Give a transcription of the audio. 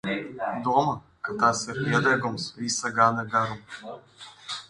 Domā, ka tas ir iedegums visa gada garumā?